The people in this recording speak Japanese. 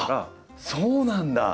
そうなんだ！